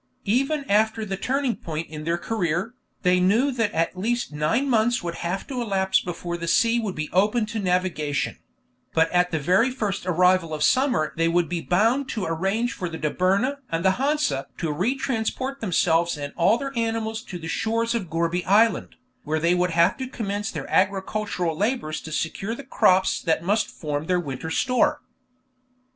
Even after the turning point in their career, they knew that at least nine months would have to elapse before the sea would be open to navigation; but at the very first arrival of summer they would be bound to arrange for the Dobryna and the Hansa to retransport themselves and all their animals to the shores of Gourbi Island, where they would have to commence their agricultural labors to secure the crops that must form their winter store.